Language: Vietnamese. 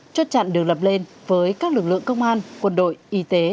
chốt chặn được lập lên với các lực lượng công an quân đội y tế